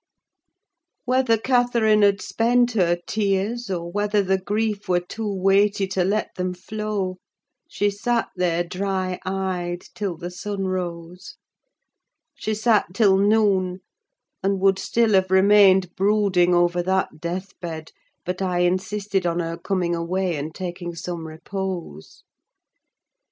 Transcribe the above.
Whether Catherine had spent her tears, or whether the grief were too weighty to let them flow, she sat there dry eyed till the sun rose: she sat till noon, and would still have remained brooding over that deathbed, but I insisted on her coming away and taking some repose.